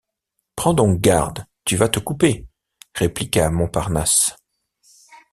Prends donc garde, tu vas te couper! répliqua Montparnasse.